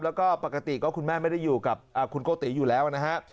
แล้วก็ปกติก็คุณแม่ไม่ได้อยู่กับคุณโกติอยู่แล้วนะฮะ